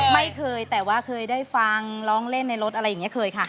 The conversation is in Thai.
ไม่เคยแต่ว่าเคยได้ฟังร้องเล่นในรถอะไรอย่างนี้เคยค่ะ